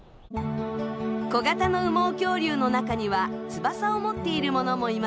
小型の羽毛恐竜の中には翼を持っているものもいました。